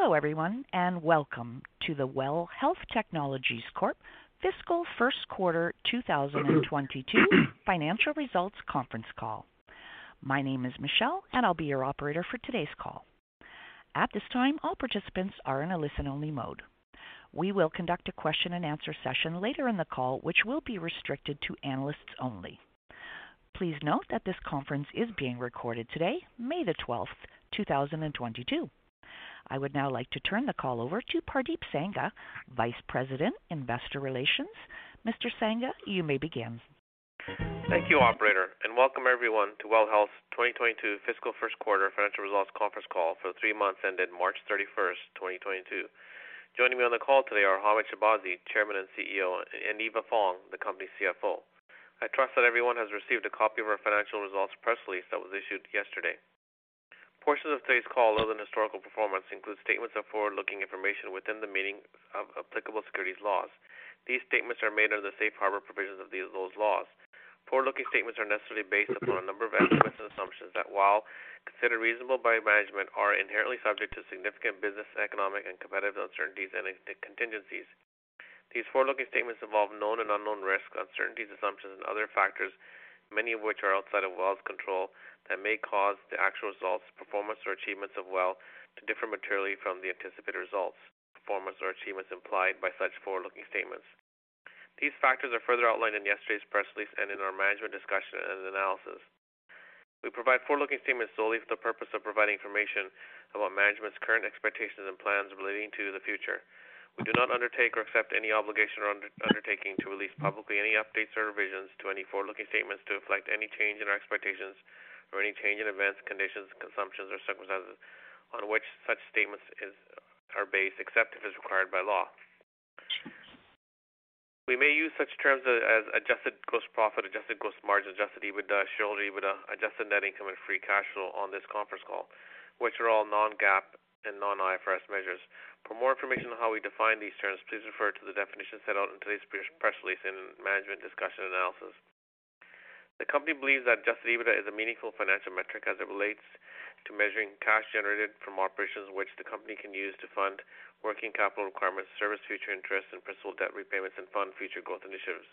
Hello everyone, and welcome to the WELL Health Technologies Corp. fiscal first quarter 2022 financial results conference call. My name is Michelle, and I'll be your operator for today's call. At this time, all participants are in a listen-only mode. We will conduct a question-and-answer session later in the call, which will be restricted to analysts only. Please note that this conference is being recorded today, May 12, 2022. I would now like to turn the call over to Pardeep Sangha, Vice President, Investor Relations. Mr. Sangha, you may begin. Thank you, operator, and welcome everyone to WELL Health 2022 fiscal first quarter financial results conference call for the three months ended March 31, 2022. Joining me on the call today are Hamed Shahbazi, Chairman and CEO, and Eva Fong, the company's CFO. I trust that everyone has received a copy of our financial results press release that was issued yesterday. Portions of today's call, other than historical performance, include statements of forward-looking information within the meaning of applicable securities laws. These statements are made under the safe harbor provisions of those laws. Forward-looking statements are necessarily based upon a number of estimates and assumptions that, while considered reasonable by management, are inherently subject to significant business, economic, and competitive uncertainties and contingencies. These forward-looking statements involve known and unknown risks, uncertainties, assumptions and other factors, many of which are outside of WELL's control, that may cause the actual results, performance or achievements of WELL to differ materially from the anticipated results, performance or achievements implied by such forward-looking statements. These factors are further outlined in yesterday's press release and in our management discussion and analysis. We provide forward-looking statements solely for the purpose of providing information about management's current expectations and plans relating to the future. We do not undertake or accept any obligation or undertaking to release publicly any updates or revisions to any forward-looking statements to reflect any change in our expectations or any change in events, conditions, or circumstances on which such statements are based, except if it's required by law. We may use such terms as adjusted gross profit, adjusted gross margin, adjusted EBITDA, shareholder EBITDA, adjusted net income and free cash flow on this conference call, which are all non-GAAP and non-IFRS measures. For more information on how we define these terms, please refer to the definition set out in today's press release and management's discussion and analysis. The company believes that adjusted EBITDA is a meaningful financial metric as it relates to measuring cash generated from operations which the company can use to fund working capital requirements, service future interest and principal debt repayments, and fund future growth initiatives.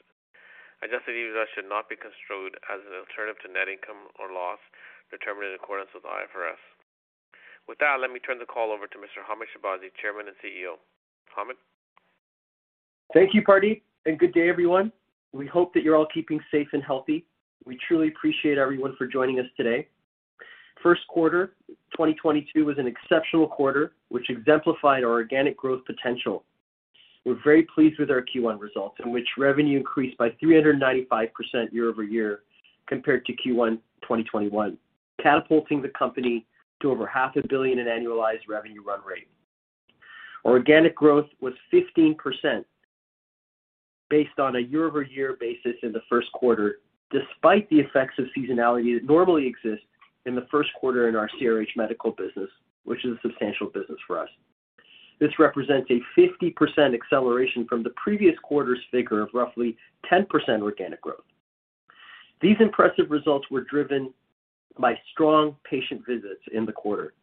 Adjusted EBITDA should not be construed as an alternative to net income or loss determined in accordance with IFRS. With that, let me turn the call over to Mr. Hamed Shahbazi, Chairman and CEO. Hamed. Thank you, Pardeep, and good day, everyone. We hope that you're all keeping safe and healthy. We truly appreciate everyone for joining us today. Q1 2022 was an exceptional quarter, which exemplified our organic growth potential. We're very pleased with our Q1 results, in which revenue increased by 395% year-over-year compared to Q1 2021, catapulting the company to over CAD half a billion in annualized revenue run rate. Organic growth was 15% based on a year-over-year basis in the first quarter, despite the effects of seasonality that normally exists in the first quarter in our CRH Medical business, which is a substantial business for us. This represents a 50% acceleration from the previous quarter's figure of roughly 10% organic growth. These impressive results were driven by strong patient visits in the quarter.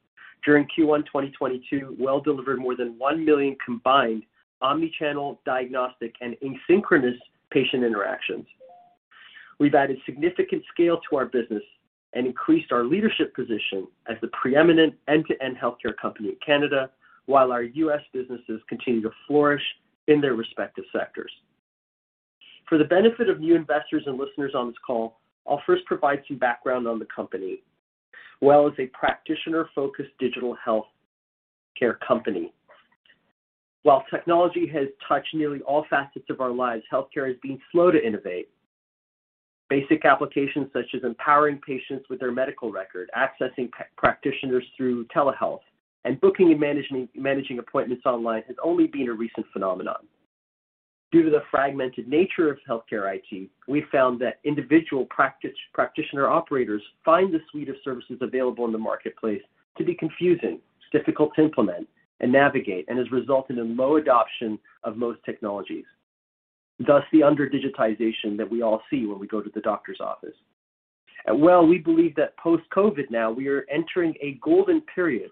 During Q1 2022, WELL delivered more than 1 million combined omni-channel diagnostic and asynchronous patient interactions. We've added significant scale to our business and increased our leadership position as the preeminent end-to-end healthcare company in Canada, while our US businesses continue to flourish in their respective sectors. For the benefit of new investors and listeners on this call, I'll first provide some background on the company. WELL is a practitioner-focused digital health care company. While technology has touched nearly all facets of our lives, healthcare has been slow to innovate. Basic applications such as empowering patients with their medical record, accessing practitioners through telehealth, and booking and managing appointments online has only been a recent phenomenon. Due to the fragmented nature of healthcare IT, we found that individual practitioner operators find the suite of services available in the marketplace to be confusing, difficult to implement and navigate, and has resulted in low adoption of most technologies, thus the under-digitization that we all see when we go to the doctor's office. At WELL, we believe that post-COVID now we are entering a golden period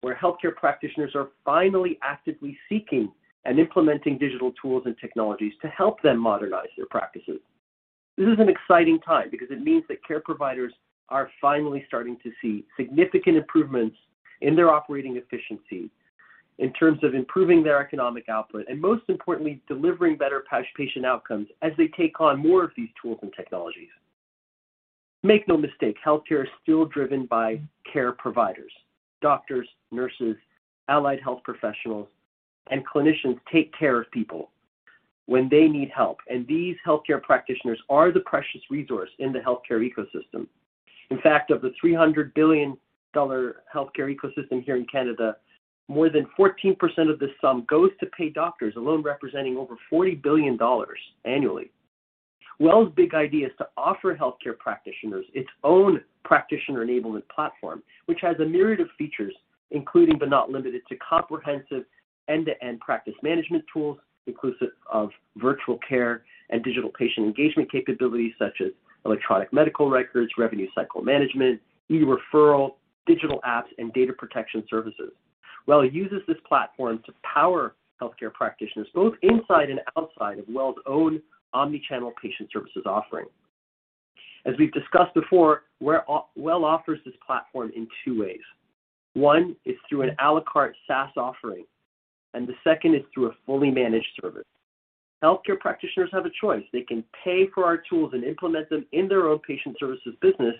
where healthcare practitioners are finally actively seeking and implementing digital tools and technologies to help them modernize their practices. This is an exciting time because it means that care providers are finally starting to see significant improvements in their operating efficiency in terms of improving their economic output and most importantly, delivering better patient outcomes as they take on more of these tools and technologies. Make no mistake, healthcare is still driven by care providers. Doctors, nurses, allied health professionals, and clinicians take care of people when they need help, and these healthcare practitioners are the precious resource in the healthcare ecosystem. In fact, of the 300 billion dollar healthcare ecosystem here in Canada, more than 14% of this sum goes to pay doctors, alone representing over 40 billion dollars annually. WELL's big idea is to offer healthcare practitioners its own practitioner enablement platform, which has a myriad of features, including but not limited to comprehensive end-to-end practice management tools inclusive of virtual care and digital patient engagement capabilities such as electronic medical records, revenue cycle management, e-Referral, digital apps, and data protection services. WELL uses this platform to power healthcare practitioners both inside and outside of WELL's own Omni-Channel Patient Services offering. As we've discussed before, WELL offers this platform in two ways. One is through an à la carte SaaS offering, and the second is through a fully managed service. Healthcare practitioners have a choice. They can pay for our tools and implement them in their own patient services business,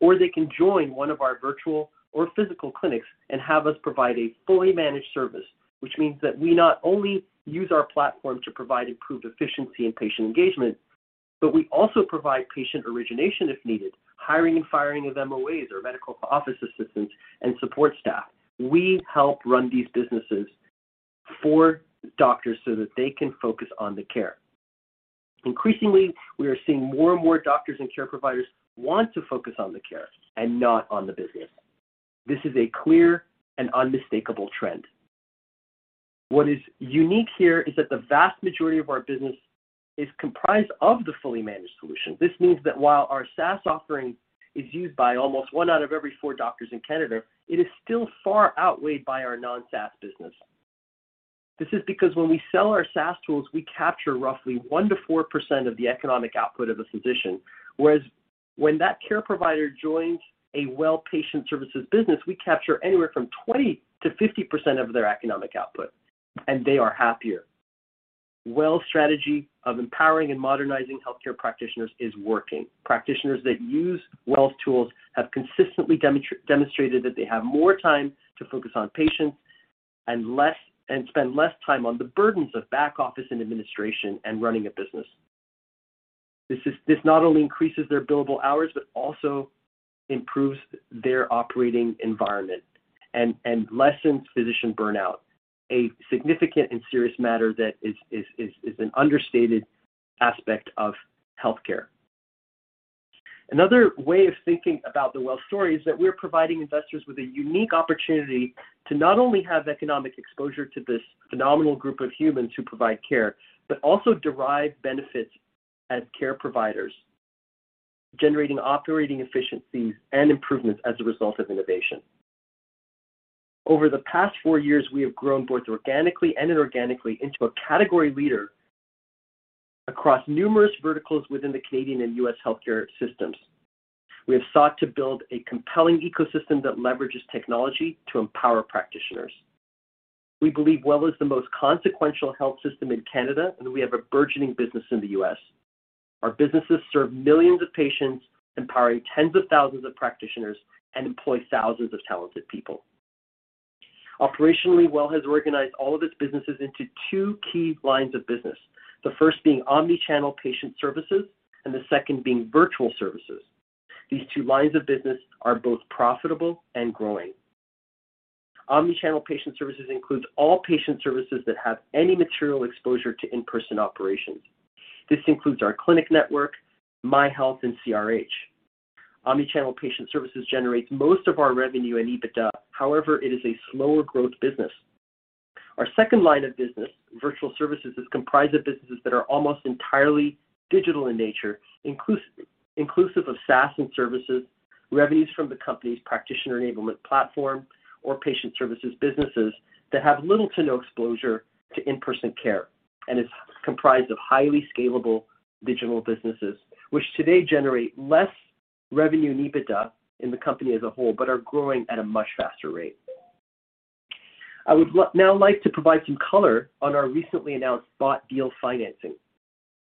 or they can join one of our virtual or physical clinics and have us provide a fully managed service, which means that we not only use our platform to provide improved efficiency and patient engagement, but we also provide patient origination if needed, hiring and firing of MOAs or medical office assistants and support staff. We help run these businesses for doctors so that they can focus on the care. Increasingly, we are seeing more and more doctors and care providers want to focus on the care and not on the business. This is a clear and unmistakable trend. What is unique here is that the vast majority of our business is comprised of the fully managed solution. This means that while our SaaS offering is used by almost one out of every four doctors in Canada, it is still far outweighed by our non-SaaS business. This is because when we sell our SaaS tools, we capture roughly 1%-4% of the economic output of a physician, whereas when that care provider joins a WELL patient services business, we capture anywhere from 20%-50% of their economic output, and they are happier. WELL's strategy of empowering and modernizing healthcare practitioners is working. Practitioners that use WELL's tools have consistently demonstrated that they have more time to focus on patients and spend less time on the burdens of back office and administration and running a business. This not only increases their billable hours, but also improves their operating environment and lessens physician burnout, a significant and serious matter that is an understated aspect of healthcare. Another way of thinking about the WELL story is that we're providing investors with a unique opportunity to not only have economic exposure to this phenomenal group of humans who provide care, but also derive benefits as care providers, generating operating efficiencies and improvements as a result of innovation. Over the past four years, we have grown both organically and inorganically into a category leader across numerous verticals within the Canadian and U.S. healthcare systems. We have sought to build a compelling ecosystem that leverages technology to empower practitioners. We believe WELL is the most consequential health system in Canada, and we have a burgeoning business in the U.S. Our businesses serve millions of patients, empowering tens of thousands of practitioners and employ thousands of talented people. Operationally, WELL has organized all of its businesses into two key lines of business. The first being Omni-Channel Patient Services and the second being Virtual Services. These two lines of business are both profitable and growing. Omni-Channel Patient Services includes all patient services that have any material exposure to in-person operations. This includes our clinic network, MyHealth, and CRH. Omni-Channel Patient Services generates most of our revenue and EBITDA. However, it is a slower growth business. Our second line of business, virtual services, is comprised of businesses that are almost entirely digital in nature, inclusive of SaaS and services, revenues from the company's practitioner enablement platform or patient services businesses that have little to no exposure to in-person care and is comprised of highly scalable digital businesses, which today generate less revenue and EBITDA in the company as a whole, but are growing at a much faster rate. I would now like to provide some color on our recently announced bought deal financing.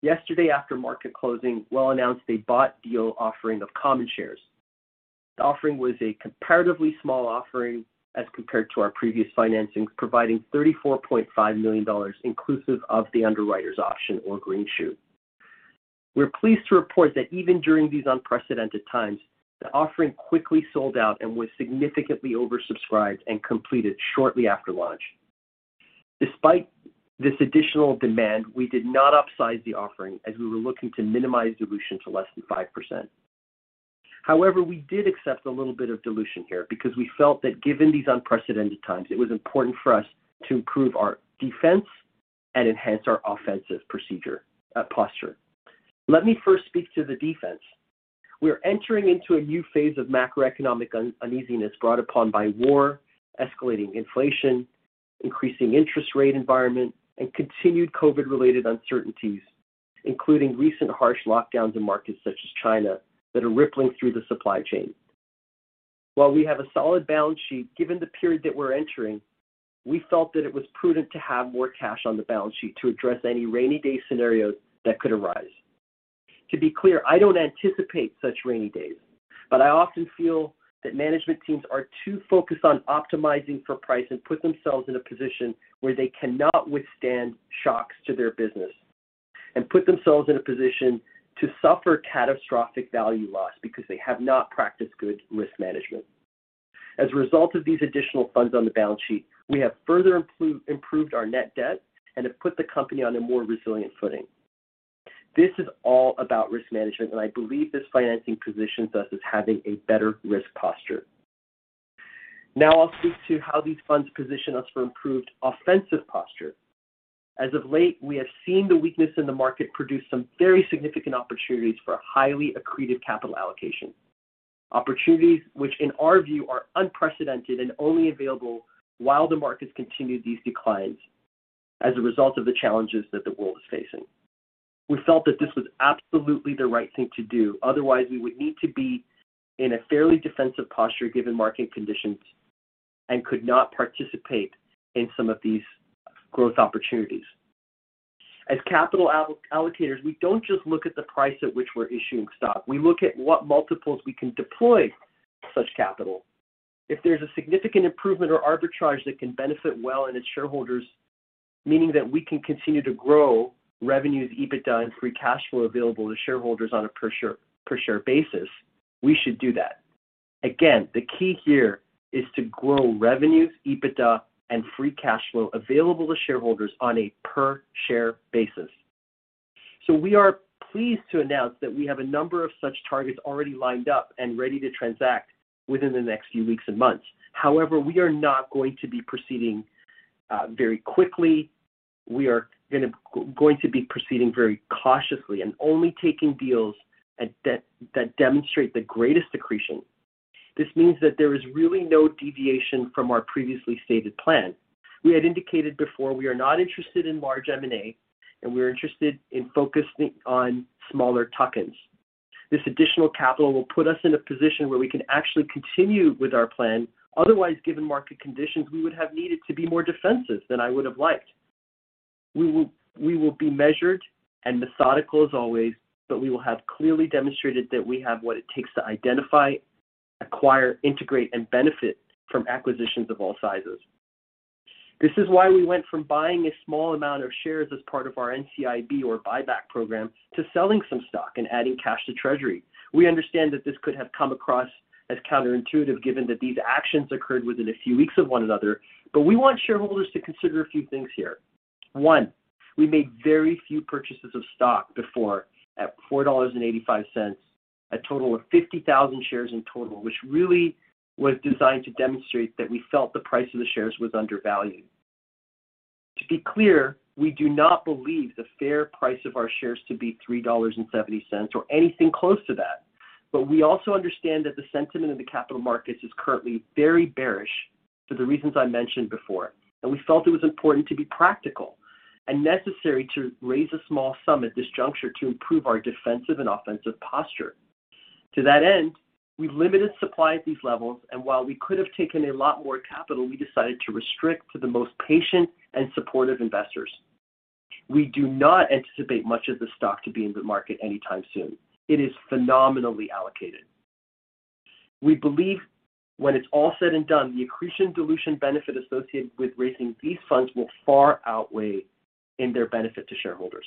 Yesterday, after market closing, WELL announced a bought deal offering of common shares. The offering was a comparatively small offering as compared to our previous financings, providing 34.5 million dollars inclusive of the underwriter's option or greenshoe. We're pleased to report that even during these unprecedented times, the offering quickly sold out and was significantly oversubscribed and completed shortly after launch. Despite this additional demand, we did not upsize the offering as we were looking to minimize dilution to less than 5%. However, we did accept a little bit of dilution here because we felt that given these unprecedented times, it was important for us to improve our defense and enhance our offensive posture. Let me first speak to the defense. We're entering into a new phase of macroeconomic uneasiness brought upon by war, escalating inflation, increasing interest rate environment, and continued COVID-related uncertainties, including recent harsh lockdowns in markets such as China that are rippling through the supply chain. While we have a solid balance sheet, given the period that we're entering, we felt that it was prudent to have more cash on the balance sheet to address any rainy day scenarios that could arise. To be clear, I don't anticipate such rainy days, but I often feel that management teams are too focused on optimizing for price and put themselves in a position where they cannot withstand shocks to their business and put themselves in a position to suffer catastrophic value loss because they have not practiced good risk management. As a result of these additional funds on the balance sheet, we have further improved our net debt and have put the company on a more resilient footing. This is all about risk management, and I believe this financing positions us as having a better risk posture. Now I'll speak to how these funds position us for improved offensive posture. As of late, we have seen the weakness in the market produce some very significant opportunities for highly accreted capital allocation. Opportunities which in our view, are unprecedented and only available while the markets continue these declines as a result of the challenges that the world is facing. We felt that this was absolutely the right thing to do. Otherwise, we would need to be in a fairly defensive posture given market conditions and could not participate in some of these growth opportunities. As capital allocators, we don't just look at the price at which we're issuing stock. We look at what multiples we can deploy such capital. If there's a significant improvement or arbitrage that can benefit WELL and its shareholders, meaning that we can continue to grow revenues, EBITDA, and free cash flow available to shareholders on a per share basis, we should do that. Again, the key here is to grow revenues, EBITDA, and free cash flow available to shareholders on a per share basis. We are pleased to announce that we have a number of such targets already lined up and ready to transact within the next few weeks and months. However, we are not going to be proceeding very quickly. We are going to be proceeding very cautiously and only taking deals that demonstrate the greatest accretion. This means that there is really no deviation from our previously stated plan. We had indicated before we are not interested in large M&A, and we're interested in focusing on smaller tuck-ins. This additional capital will put us in a position where we can actually continue with our plan. Otherwise, given market conditions, we would have needed to be more defensive than I would have liked. We will be measured and methodical as always, but we will have clearly demonstrated that we have what it takes to identify, acquire, integrate, and benefit from acquisitions of all sizes. This is why we went from buying a small amount of shares as part of our NCIB or buyback program to selling some stock and adding cash to treasury. We understand that this could have come across as counterintuitive given that these actions occurred within a few weeks of one another. We want shareholders to consider a few things here. One, we made very few purchases of stock before at 4.85 dollars, a total of 50,000 shares in total, which really was designed to demonstrate that we felt the price of the shares was undervalued. To be clear, we do not believe the fair price of our shares to be 3.70 dollars or anything close to that. We also understand that the sentiment in the capital markets is currently very bearish for the reasons I mentioned before. We felt it was important to be practical and necessary to raise a small sum at this juncture to improve our defensive and offensive posture. To that end, we've limited supply at these levels, and while we could have taken a lot more capital, we decided to restrict to the most patient and supportive investors. We do not anticipate much of the stock to be in the market anytime soon. It is phenomenally allocated. We believe when it's all said and done, the accretion dilution benefit associated with raising these funds will far outweigh in their benefit to shareholders.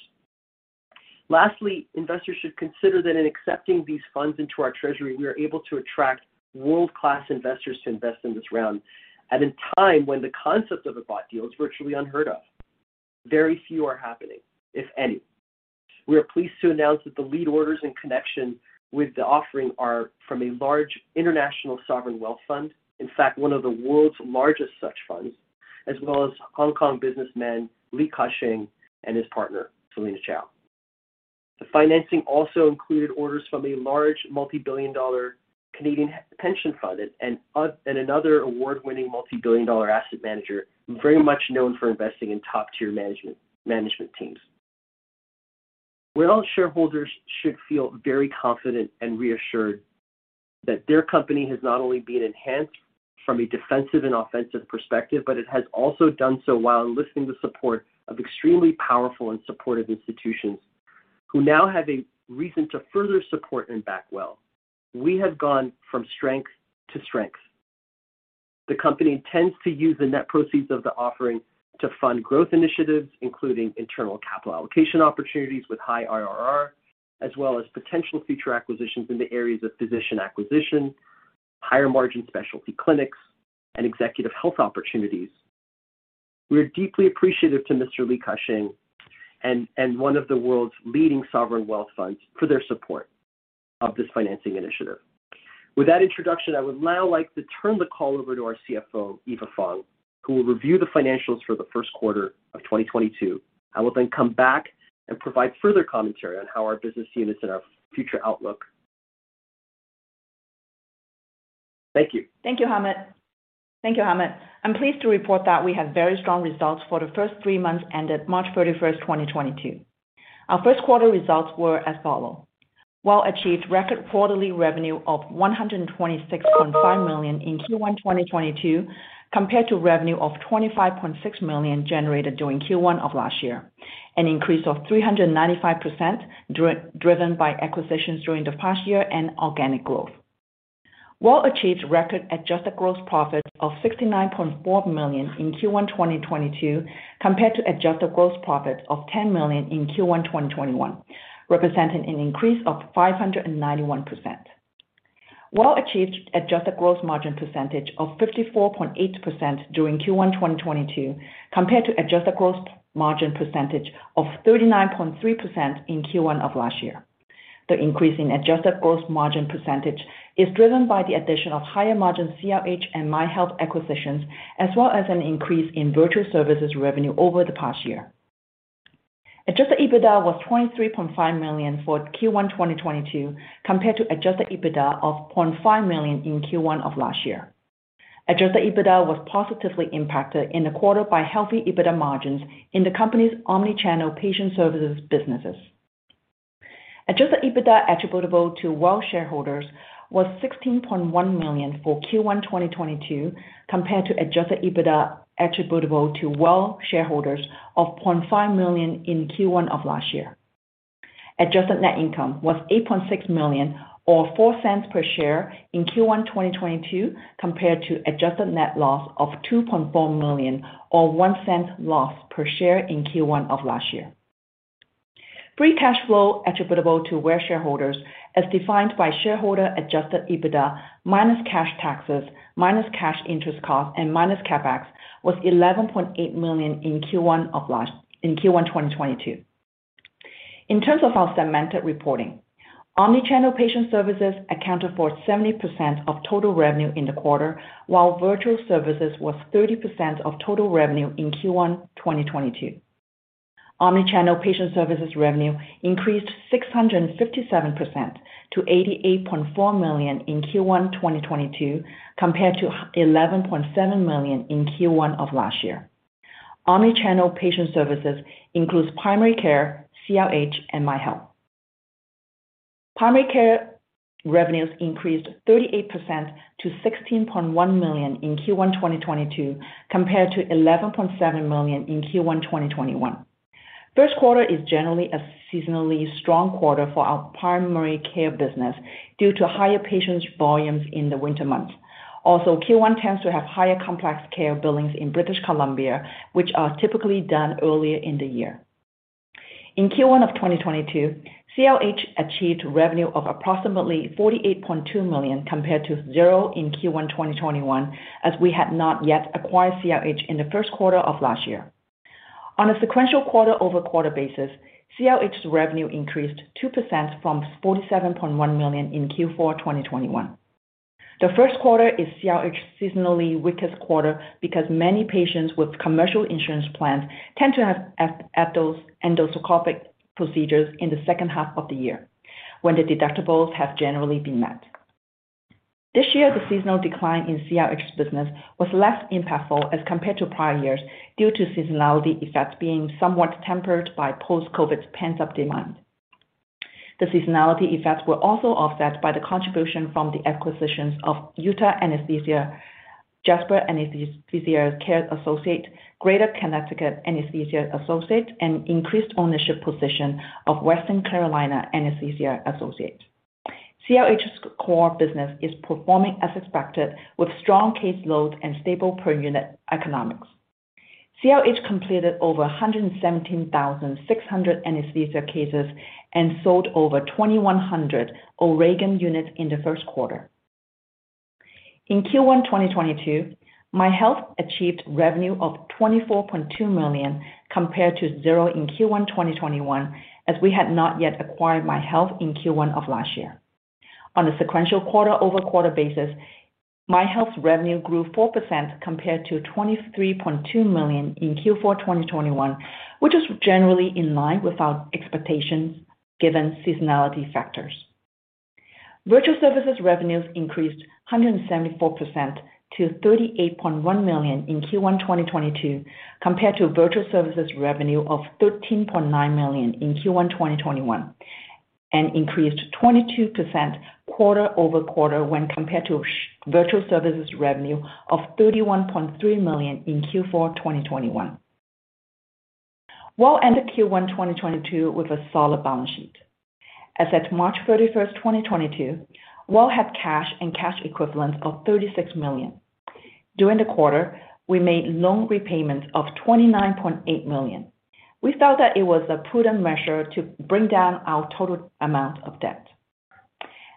Lastly, investors should consider that in accepting these funds into our treasury, we are able to attract world-class investors to invest in this round at a time when the concept of a bought deal is virtually unheard of. Very few are happening, if any. We are pleased to announce that the lead orders in connection with the offering are from a large international sovereign wealth fund, in fact, one of the world's largest such funds, as well as Hong Kong businessman Li Ka-shing and his partner, Solina Chau. The financing also included orders from a large multi-billion dollar Canadian pension fund and another award-winning multi-billion dollar asset manager, very much known for investing in top-tier management teams. WELL shareholders should feel very confident and reassured that their company has not only been enhanced from a defensive and offensive perspective, but it has also done so while enlisting the support of extremely powerful and supportive institutions who now have a reason to further support and back WELL. We have gone from strength to strength. The company intends to use the net proceeds of the offering to fund growth initiatives, including internal capital allocation opportunities with high IRR, as well as potential future acquisitions in the areas of physician acquisition, higher margin specialty clinics, and executive health opportunities. We are deeply appreciative to Mr. Li Ka-shing and one of the world's leading sovereign wealth funds for their support of this financing initiative. With that introduction, I would now like to turn the call over to our CFO, Eva Fong, who will review the financials for the first quarter of 2022. I will then come back and provide further commentary on how our business units and our future outlook. Thank you. Thank you, Hamed. I'm pleased to report that we have very strong results for the first three months ended March 31, 2022. Our first quarter results were as follow. WELL achieved record quarterly revenue of 126.5 million in Q1 2022, compared to revenue of 25.6 million generated during Q1 of last year. An increase of 395% driven by acquisitions during the past year and organic growth. WELL achieved record adjusted gross profit of 69.4 million in Q1 2022, compared to adjusted gross profit of 10 million in Q1 2021, representing an increase of 591%. WELL achieved adjusted gross margin percentage of 54.8% during Q1 2022, compared to adjusted gross margin percentage of 39.3% in Q1 of last year. The increase in adjusted gross margin percentage is driven by the addition of higher margin CRH and MyHealth acquisitions, as well as an increase in Virtual Services revenue over the past year. Adjusted EBITDA was 23.5 million for Q1 2022, compared to adjusted EBITDA of 500,000 in Q1 of last year. Adjusted EBITDA was positively impacted in the quarter by healthy EBITDA margins in the company's Omni-Channel Patient Services businesses. Adjusted EBITDA attributable to WELL shareholders was 16.1 million for Q1 2022, compared to adjusted EBITDA attributable to WELL shareholders of 500,000 in Q1 of last year. Adjusted net income was 8.6 million or 0.04 per share in Q1 2022, compared to adjusted net loss of 2.4 million or 0.01 loss per share in Q1 of last year. Free cash flow attributable to WELL shareholders as defined by shareholder adjusted EBITDA minus cash taxes, minus cash interest costs, and minus CapEx was 11.8 million in Q1 2022. In terms of our segmented reporting, Omni-Channel Patient Services accounted for 70% of total revenue in the quarter, while Virtual Services was 30% of total revenue in Q1 2022. Omni-Channel Patient Services revenue increased 657% to 88.4 million in Q1 2022, compared to 11.7 million in Q1 of last year. Omni-Channel Patient Services includes primary care, CRH, and MyHealth. Primary care revenues increased 38% to 16.1 million in Q1 2022, compared to 11.7 million in Q1 2021. First quarter is generally a seasonally strong quarter for our primary care business due to higher patient volumes in the winter months. Q1 tends to have higher complex care billings in British Columbia, which are typically done earlier in the year. In Q1 of 2022, CRH achieved revenue of approximately 48.2 million compared to zero in Q1 2021, as we had not yet acquired CRH in the first quarter of last year. On a sequential quarter-over-quarter basis, CRH's revenue increased 2% from 47.1 million in Q4 2021. The first quarter is CRH's seasonally weakest quarter because many patients with commercial insurance plans tend to have endoscopic procedures in the second half of the year when the deductibles have generally been met. This year, the seasonal decline in CRH's business was less impactful as compared to prior years due to seasonality effects being somewhat tempered by post-COVID pent-up demand. The seasonality effects were also offset by the contribution from the acquisitions of Utah Anesthesia, Jasper Anesthesia Care Associates, Greater Connecticut Anesthesia Associates, and increased ownership position of Western Carolina Anesthesia Associates. CRH's core business is performing as expected with strong caseload and stable per unit economics. CRH completed over 117,600 anesthesia cases and sold over 2,100 O'Regan units in the first quarter. In Q1 2022, MyHealth achieved revenue of 24.2 million compared to zero in Q1 2021, as we had not yet acquired MyHealth in Q1 of last year. On a sequential quarter-over-quarter basis, MyHealth's revenue grew 4% compared to 23.2 million in Q4 2021, which is generally in line with our expectations given seasonality factors. Virtual Services revenues increased 174% to 38.1 million in Q1 2022 compared to Virtual Services revenue of 13.9 million in Q1 2021, and increased 22% quarter-over-quarter when compared to Virtual Services revenue of CAD 31.3 million in Q4 2021. WELL ended Q1 2022 with a solid balance sheet. As at March 31, 2022, WELL had cash and cash equivalents of 36 million. During the quarter, we made loan repayments of 29.8 million. We felt that it was a prudent measure to bring down our total amount of debt.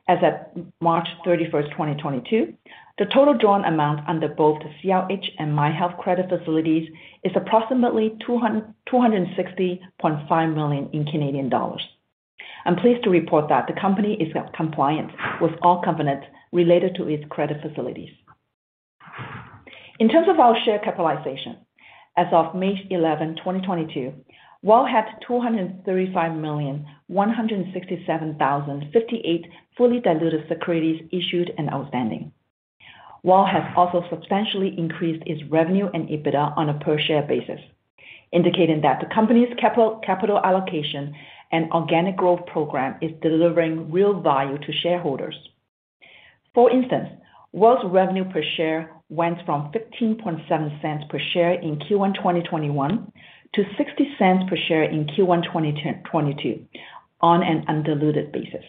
As at March 31, 2022, the total drawn amount under both the CRH and MyHealth credit facilities is approximately 260.5 million. I'm pleased to report that the company is compliant with all covenants related to its credit facilities. In terms of our share capitalization, as of May 11, 2022, WELL had 235,167,058 fully diluted securities issued and outstanding. WELL has also substantially increased its revenue and EBITDA on a per share basis, indicating that the company's capital allocation and organic growth program is delivering real value to shareholders. For instance, WELL's revenue per share went from 0.157 per share in Q1 2021 to 0.60 per share in Q1 2022 on an undiluted basis.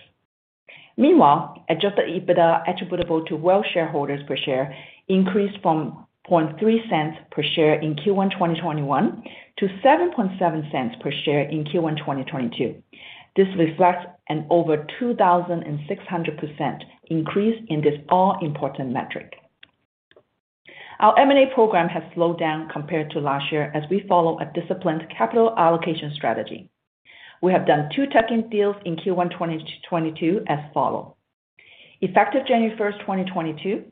Meanwhile, adjusted EBITDA attributable to WELL shareholders per share increased from 0.003 per share in Q1 2021 to 0.077 per share in Q1 2022. This reflects an over 2,600% increase in this all important metric. Our M&A program has slowed down compared to last year as we follow a disciplined capital allocation strategy. We have done two tuck-in deals in Q1 2022 as follow. Effective January 1, 2022,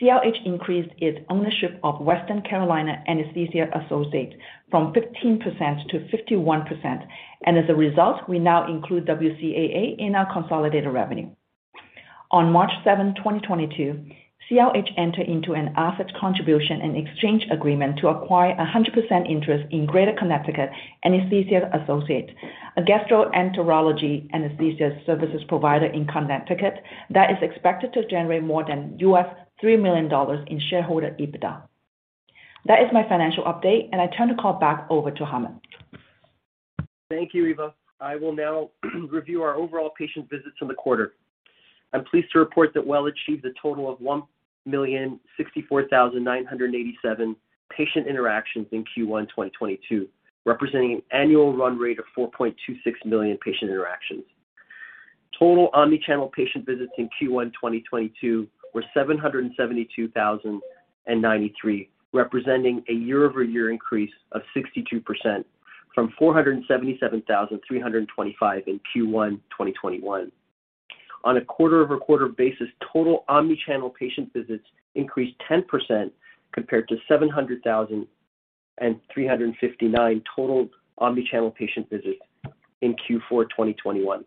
CRH increased its ownership of Western Carolina Anesthesia Associates from 15% to 51%. As a result, we now include WCAA in our consolidated revenue. On March 7, 2022, CRH entered into an asset contribution and exchange agreement to acquire 100% interest in Greater Connecticut Anesthesia Associates, a gastroenterology anesthesia services provider in Connecticut that is expected to generate more than $3 million in shareholder EBITDA. That is my financial update, and I turn the call back over to Hamed. Thank you, Eva. I will now review our overall patient visits in the quarter. I'm pleased to report that WELL achieved a total of 1,064,987 patient interactions in Q1 2022, representing an annual run rate of 4.26 million patient interactions. Total omni-channel patient visits in Q1 2022 were 772,093, representing a year-over-year increase of 62% from 477,325 in Q1 2021. On a quarter-over-quarter basis, total omni-channel patient visits increased 10% compared to 700,359 total omni-channel patient visits in Q4 2021.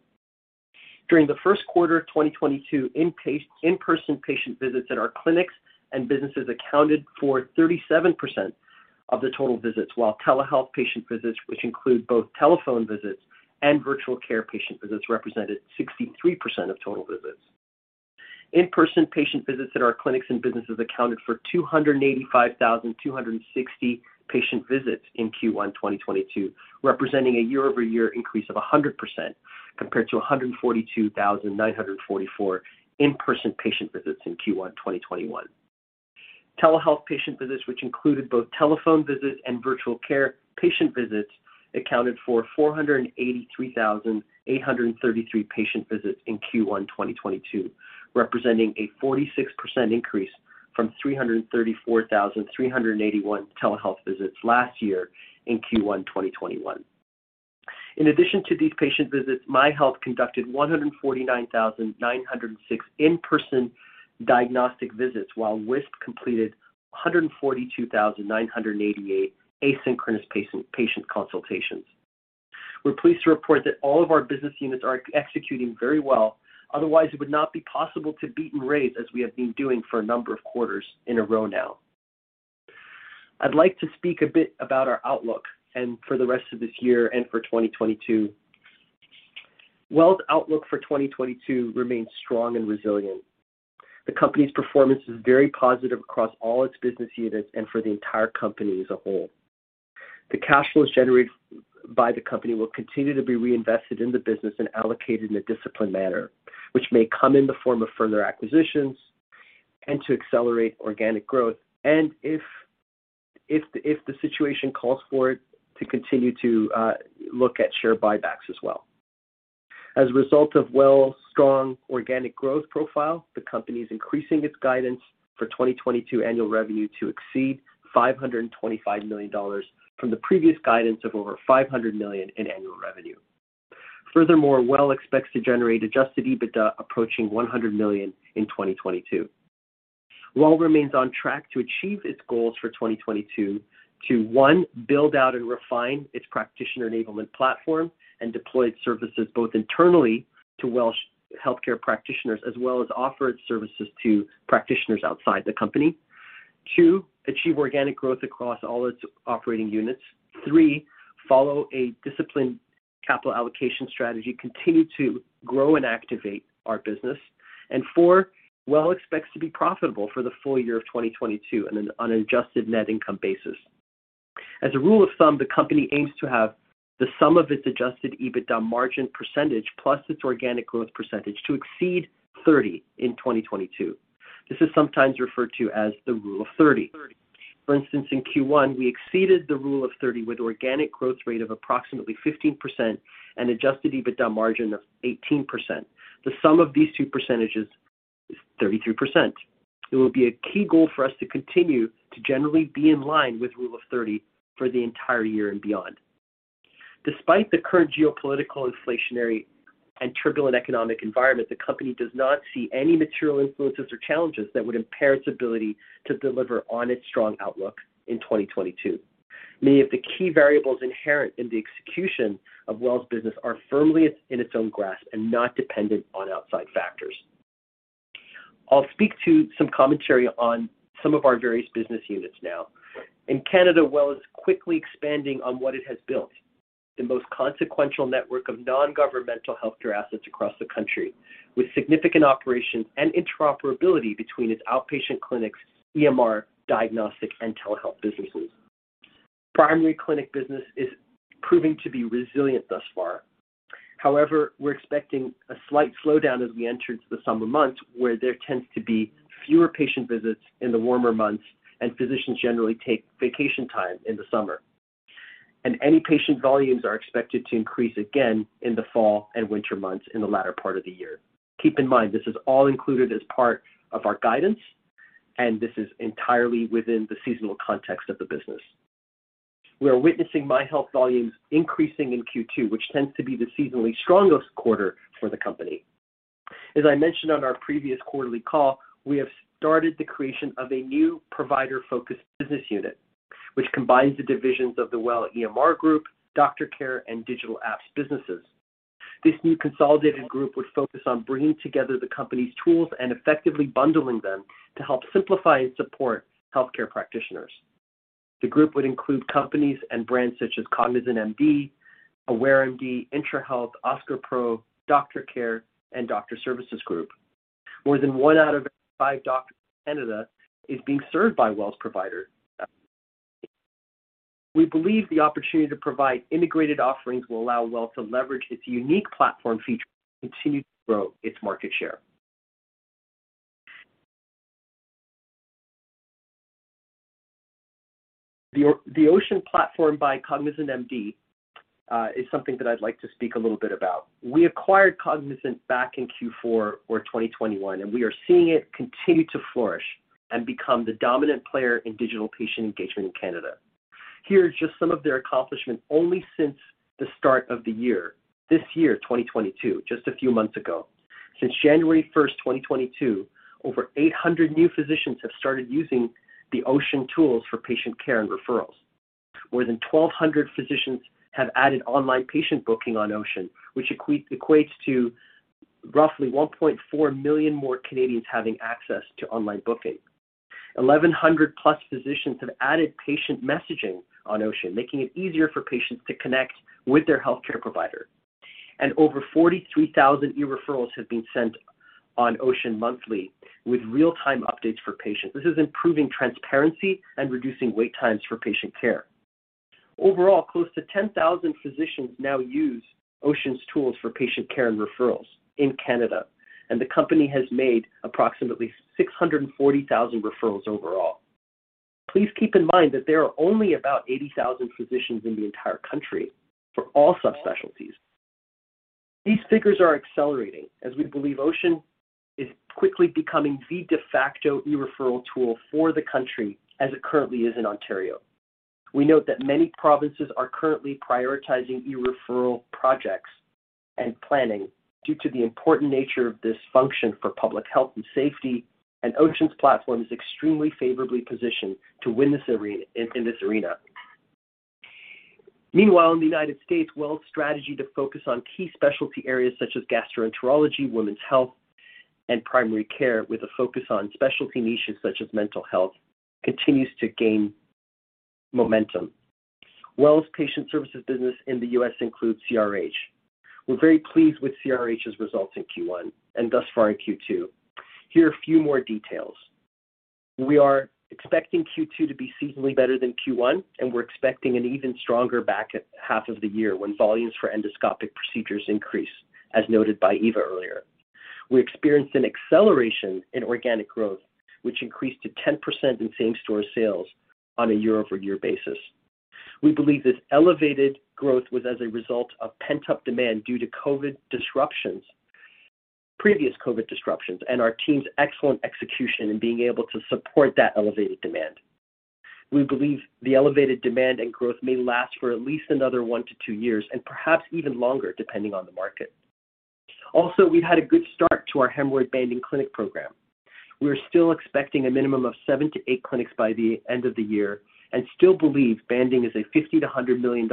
During the first quarter of 2022, in-person patient visits at our clinics and businesses accounted for 37% of the total visits, while telehealth patient visits, which include both telephone visits and virtual care patient visits, represented 63% of total visits. In-person patient visits at our clinics and businesses accounted for 285,260 patient visits in Q1 2022, representing a year-over-year increase of 100% compared to 142,944 in-person patient visits in Q1 2021. Telehealth patient visits, which included both telephone visits and virtual care patient visits, accounted for 483,833 patient visits in Q1 2022, representing a 46% increase from 334,381 telehealth visits last year in Q1 2021. In addition to these patient visits, MyHealth conducted 149,906 in-person diagnostic visits, while Wisp completed 142,988 asynchronous patient consultations. We're pleased to report that all of our business units are executing very well, otherwise it would not be possible to beat and raise as we have been doing for a number of quarters in a row now. I'd like to speak a bit about our outlook for the rest of this year and for 2022. WELL's outlook for 2022 remains strong and resilient. The company's performance is very positive across all its business units and for the entire company as a whole. The cash flows generated by the company will continue to be reinvested in the business and allocated in a disciplined manner, which may come in the form of further acquisitions and to accelerate organic growth, and if the situation calls for it, to continue to look at share buybacks as well. As a result of WELL's strong organic growth profile, the company is increasing its guidance for 2022 annual revenue to exceed 525 million dollars from the previous guidance of over 500 million in annual revenue. Furthermore, WELL expects to generate adjusted EBITDA approaching 100 million in 2022. WELL remains on track to achieve its goals for 2022 to, one, build out and refine its practitioner enablement platform and deploy its services both internally to WELL's healthcare practitioners, as well as offer its services to practitioners outside the company. Two, achieve organic growth across all its operating units. Three, follow a disciplined capital allocation strategy, continue to grow and activate our business. Four, WELL expects to be profitable for the full year of 2022 on an unadjusted net income basis. As a rule of thumb, the company aims to have the sum of its adjusted EBITDA margin percentage plus its organic growth percentage to exceed 30 in 2022. This is sometimes referred to as the rule of 30. For instance, in Q1, we exceeded the rule of 30 with organic growth rate of approximately 15% and adjusted EBITDA margin of 18%. The sum of these two percentages is 33%. It will be a key goal for us to continue to generally be in line with rule of 30 for the entire year and beyond. Despite the current geopolitical inflationary and turbulent economic environment, the company does not see any material influences or challenges that would impair its ability to deliver on its strong outlook in 2022. Many of the key variables inherent in the execution of WELL's business are firmly in its own grasp and not dependent on outside factors. I'll speak to some commentary on some of our various business units now. In Canada, WELL is quickly expanding on what it has built, the most consequential network of non-governmental healthcare assets across the country, with significant operations and interoperability between its outpatient clinics, EMR, diagnostic, and telehealth businesses. Primary clinic business is proving to be resilient thus far. However, we're expecting a slight slowdown as we enter into the summer months, where there tends to be fewer patient visits in the warmer months, and physicians generally take vacation time in the summer. Any patient volumes are expected to increase again in the fall and winter months in the latter part of the year. Keep in mind, this is all included as part of our guidance, and this is entirely within the seasonal context of the business. We are witnessing MyHealth volumes increasing in Q2, which tends to be the seasonally strongest quarter for the company. As I mentioned on our previous quarterly call, we have started the creation of a new provider-focused business unit, which combines the divisions of the WELL EMR Group, DoctorCare, and digital apps businesses. This new consolidated group would focus on bringing together the company's tools and effectively bundling them to help simplify and support healthcare practitioners. The group would include companies and brands such as CognisantMD, Aware MD, IntraHealth, OSCAR Pro, DoctorCare, and Doctor Services Group. More than one out of five doctors in Canada is being served by WELL's provider. We believe the opportunity to provide integrated offerings will allow WELL to leverage its unique platform feature to continue to grow its market share. The Ocean platform by CognisantMD is something that I'd like to speak a little bit about. We acquired CognisantMD back in Q4 2021, and we are seeing it continue to flourish and become the dominant player in digital patient engagement in Canada. Here are just some of their accomplishments only since the start of the year, this year, 2022, just a few months ago. Since January 1, 2022, over 800 new physicians have started using the Ocean tools for patient care and referrals. More than 1,200 physicians have added online patient booking on Ocean, which equates to roughly 1.4 million more Canadians having access to online booking. 1,100+ physicians have added patient messaging on Ocean, making it easier for patients to connect with their healthcare provider. Over 43,000 e-referrals have been sent on Ocean monthly with real-time updates for patients. This is improving transparency and reducing wait times for patient care. Overall, close to 10,000 physicians now use Ocean's tools for patient care and referrals in Canada, and the company has made approximately 640,000 referrals overall. Please keep in mind that there are only about 80,000 physicians in the entire country for all subspecialties. These figures are accelerating as we believe Ocean is quickly becoming the de facto e-Referral tool for the country as it currently is in Ontario. We note that many provinces are currently prioritizing e-Referral projects and planning due to the important nature of this function for public health and safety, and Ocean's platform is extremely favorably positioned to win in this arena. Meanwhile, in the United States, WELL's strategy to focus on key specialty areas such as gastroenterology, women's health, and primary care with a focus on specialty niches such as mental health continues to gain momentum. WELL's patient services business in the U.S. includes CRH. We're very pleased with CRH's results in Q1 and thus far in Q2. Here are a few more details. We are expecting Q2 to be seasonally better than Q1, and we're expecting an even stronger back half of the year when volumes for endoscopic procedures increase, as noted by Eva earlier. We experienced an acceleration in organic growth, which increased to 10% in same-store sales on a year-over-year basis. We believe this elevated growth was as a result of pent-up demand due to COVID disruptions, previous COVID disruptions and our team's excellent execution in being able to support that elevated demand. We believe the elevated demand and growth may last for at least another 1-2 years and perhaps even longer, depending on the market. Also, we've had a good start to our hemorrhoid banding clinic program. We're still expecting a minimum of 7-8 clinics by the end of the year and still believe banding is a $50-$100 million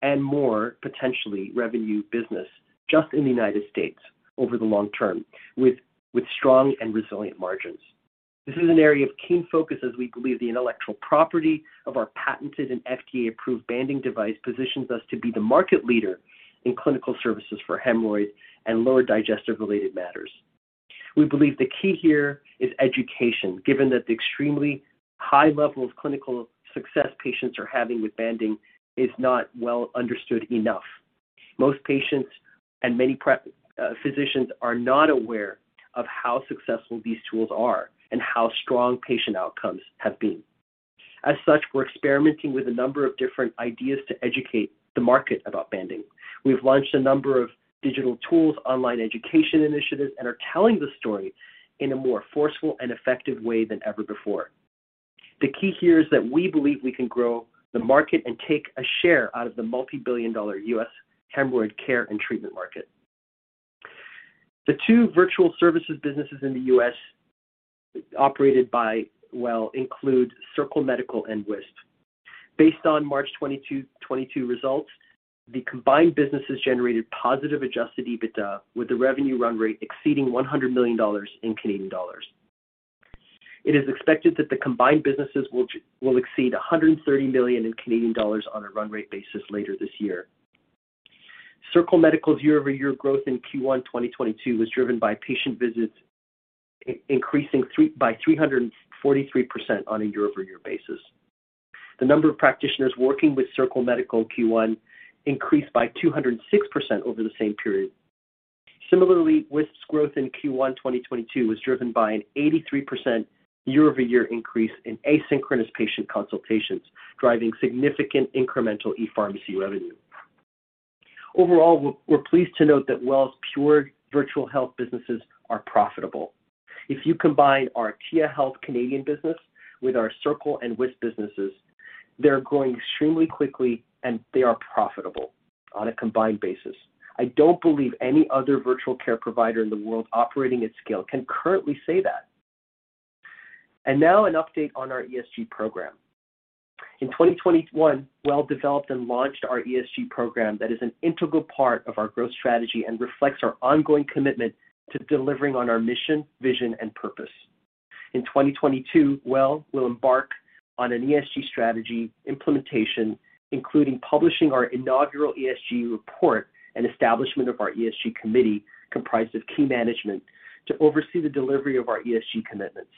and more potentially revenue business just in the United States over the long term with strong and resilient margins. This is an area of keen focus as we believe the intellectual property of our patented and FDA-approved banding device positions us to be the market leader in clinical services for hemorrhoids and lower digestive-related matters. We believe the key here is education, given that the extremely high level of clinical success patients are having with banding is not well understood enough. Most patients and many physicians are not aware of how successful these tools are and how strong patient outcomes have been. As such, we're experimenting with a number of different ideas to educate the market about banding. We've launched a number of digital tools, online education initiatives, and are telling the story in a more forceful and effective way than ever before. The key here is that we believe we can grow the market and take a share out of the multi-billion-dollar US hemorrhoid care and treatment market. The two Virtual Services businesses in the US operated by WELL include Circle Medical and Wisp. Based on March 22, 2022 results, the combined businesses generated positive adjusted EBITDA with the revenue run rate exceeding 100 million dollars. It is expected that the combined businesses will exceed 130 million on a run rate basis later this year. Circle Medical's year-over-year growth in Q1 2022 was driven by patient visits increasing by 343% on a year-over-year basis. The number of practitioners working with Circle Medical Q1 increased by 206% over the same period. Similarly, Wisp's growth in Q1 2022 was driven by an 83% year-over-year increase in asynchronous patient consultations, driving significant incremental ePharmacy revenue. Overall, we're pleased to note that WELL's pure virtual health businesses are profitable. If you combine our Tia Health Canadian business with our Circle and Wisp businesses, they're growing extremely quickly, and they are profitable on a combined basis. I don't believe any other virtual care provider in the world operating at scale can currently say that. Now an update on our ESG program. In 2021, WELL developed and launched our ESG program that is an integral part of our growth strategy and reflects our ongoing commitment to delivering on our mission, vision, and purpose. In 2022, WELL will embark on an ESG strategy implementation, including publishing our inaugural ESG report and establishment of our ESG committee, comprised of key management, to oversee the delivery of our ESG commitments.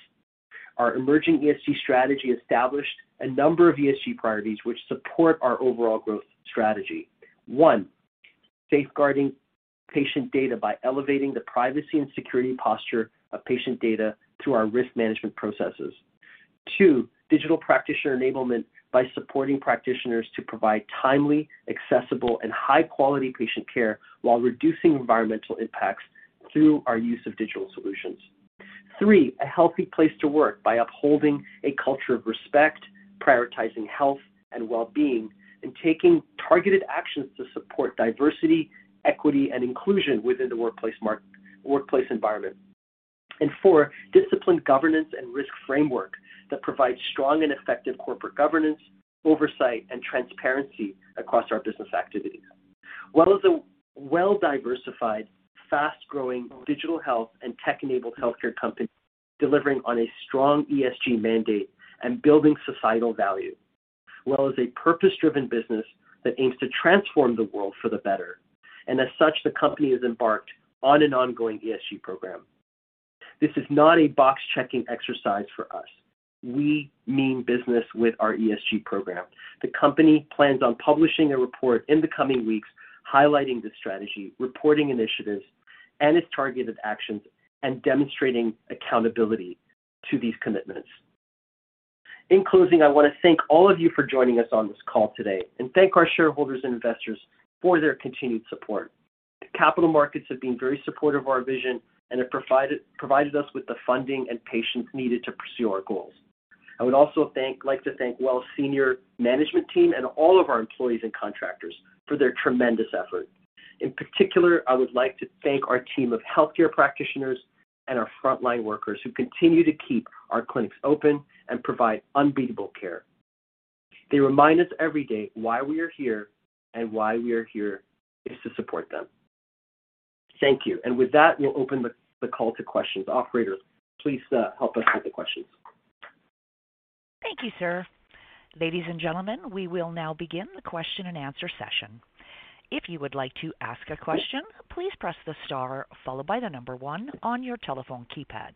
Our emerging ESG strategy established a number of ESG priorities which support our overall growth strategy. One, safeguarding patient data by elevating the privacy and security posture of patient data through our risk management processes. Two, digital practitioner enablement by supporting practitioners to provide timely, accessible, and high-quality patient care while reducing environmental impacts through our use of digital solutions. Three, a healthy place to work by upholding a culture of respect, prioritizing health and well-being, and taking targeted actions to support diversity, equity, and inclusion within the workplace environment. Four, disciplined governance and risk framework that provides strong and effective corporate governance, oversight, and transparency across our business activities. WELL is a well-diversified, fast-growing digital health and tech-enabled healthcare company delivering on a strong ESG mandate and building societal value. WELL is a purpose-driven business that aims to transform the world for the better. As such, the company has embarked on an ongoing ESG program. This is not a box-checking exercise for us. We mean business with our ESG program. The company plans on publishing a report in the coming weeks highlighting the strategy, reporting initiatives and its targeted actions and demonstrating accountability to these commitments. In closing, I want to thank all of you for joining us on this call today and thank our shareholders and investors for their continued support. The capital markets have been very supportive of our vision and have provided us with the funding and patience needed to pursue our goals. I would also like to thank WELL's senior management team and all of our employees and contractors for their tremendous effort. In particular, I would like to thank our team of healthcare practitioners and our frontline workers who continue to keep our clinics open and provide unbeatable care. They remind us every day why we are here, and why we are here is to support them. Thank you. With that, we'll open the call to questions. Operator, please, help us with the questions. Thank you, sir. Ladies and gentlemen, we will now begin the question and answer session. If you would like to ask a question, please press the star followed by number one on your telephone keypad.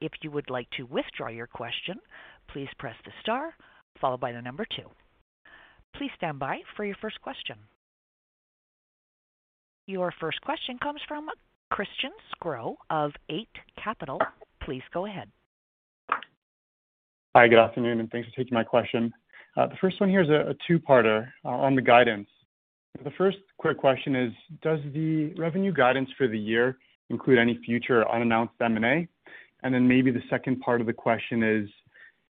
If you would like to withdraw your question, please press the star followed by number two. Please stand by for your first question. Your first question comes from Christian Sgro of Eight Capital. Please go ahead. Hi, good afternoon, and thanks for taking my question. The first one here is a two-parter on the guidance. The first quick question is, does the revenue guidance for the year include any future unannounced M&A? Then maybe the second part of the question is,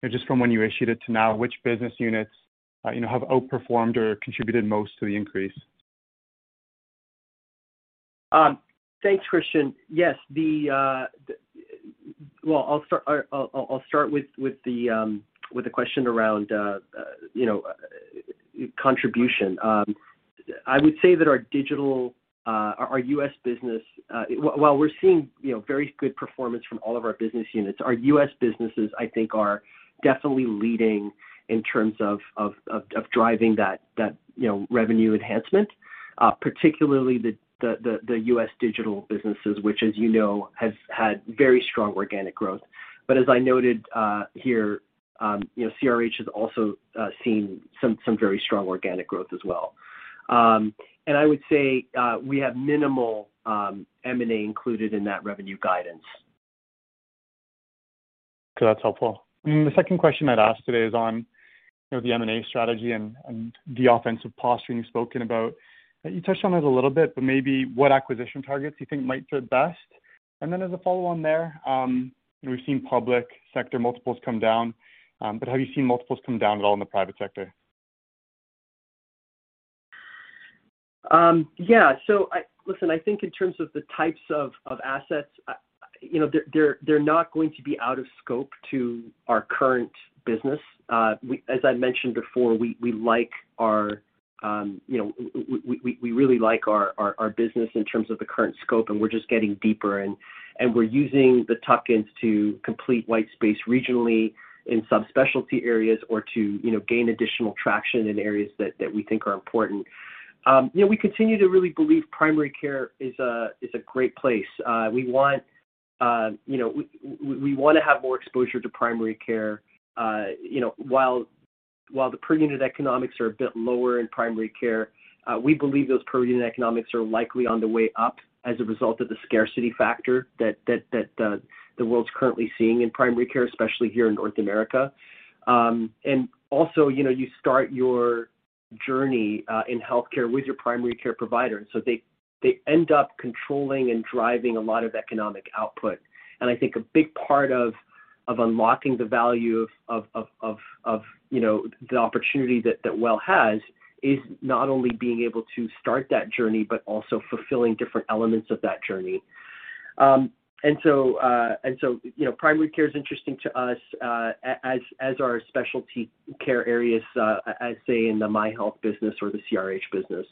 you know, just from when you issued it to now, which business units, you know, have outperformed or contributed most to the increase? Thanks, Christian. Yes. Well, I'll start with the question around, you know, contribution. I would say that our digital, our US business, while we're seeing, you know, very good performance from all of our business units, our US businesses, I think, are definitely leading in terms of driving that, you know, revenue enhancement, particularly the US digital businesses, which, as you know, has had very strong organic growth. But as I noted, here, you know, CRH has also seen some very strong organic growth as well. I would say, we have minimal M&A included in that revenue guidance. Okay. That's helpful. The second question I'd ask today is on, you know, the M&A strategy and the offensive posturing you've spoken about. You touched on it a little bit, but maybe what acquisition targets you think might fit best. As a follow on there, we've seen public sector multiples come down, but have you seen multiples come down at all in the private sector? Listen, I think in terms of the types of assets, you know, they're not going to be out of scope to our current business. As I mentioned before, we really like our business in terms of the current scope, and we're just getting deeper, and we're using the tuck-ins to complete white space regionally in some specialty areas or to gain additional traction in areas that we think are important. You know, we continue to really believe primary care is a great place. We want, you know, we wanna have more exposure to primary care, you know, while the per unit economics are a bit lower in primary care, we believe those per unit economics are likely on the way up as a result of the scarcity factor that the world's currently seeing in primary care, especially here in North America. Also, you know, you start your journey in healthcare with your primary care provider. So they end up controlling and driving a lot of economic output. I think a big part of, you know, the opportunity that Well has is not only being able to start that journey, but also fulfilling different elements of that journey. You know, primary care is interesting to us, as are specialty care areas, as say in the MyHealth business or the CRH business.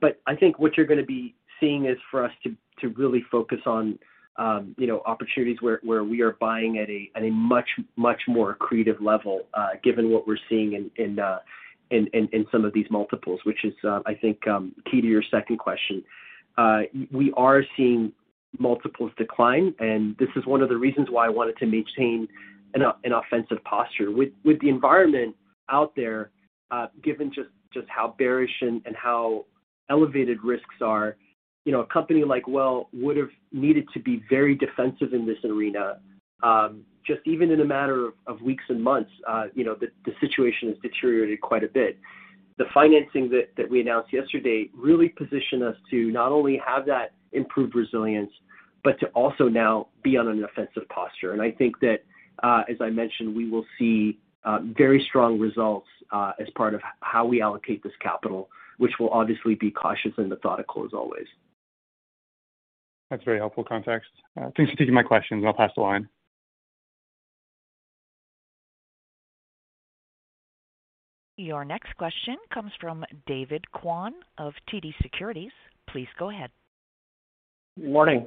But I think what you're gonna be seeing is for us to really focus on, you know, opportunities where we are buying at a much more accretive level, given what we're seeing in some of these multiples, which is, I think, key to your second question. We are seeing multiples decline, and this is one of the reasons why I wanted to maintain an offensive posture. With the environment out there, given just how bearish and how elevated risks are, you know, a company like WELL would've needed to be very defensive in this arena. Just even in a matter of weeks and months, you know, the situation has deteriorated quite a bit. The financing that we announced yesterday really positioned us to not only have that improved resilience, but to also now be on an offensive posture. I think that, as I mentioned, we will see very strong results as part of how we allocate this capital, which will obviously be cautious and methodical as always. That's very helpful context. Thanks for taking my questions. I'll pass the line. Your next question comes from David Kwan of TD Securities. Please go ahead. Morning.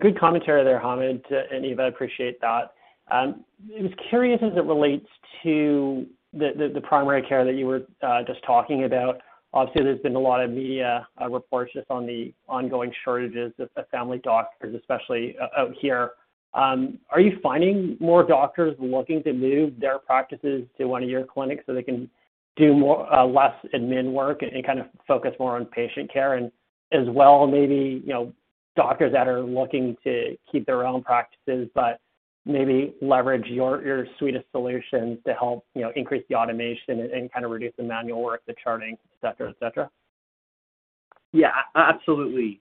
Good commentary there, Hamed and Eva. I appreciate that. I was curious as it relates to the primary care that you were just talking about. Obviously, there's been a lot of media reports just on the ongoing shortages of family doctors, especially out here. Are you finding more doctors looking to move their practices to one of your clinics so they can do more less admin work and kind of focus more on patient care? As well maybe, you know, doctors that are looking to keep their own practices, but maybe leverage your suite of solutions to help, you know, increase the automation and kind of reduce the manual work, the charting, et cetera. Yeah. Absolutely,